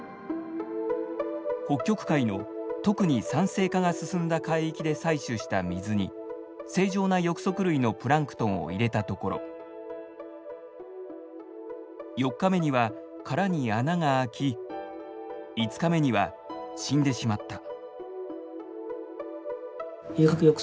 北極海の特に酸性化が進んだ海域で採取した水に正常な翼足類のプランクトンを入れたところ４日目には殻に穴が開き５日目には死んでしまった。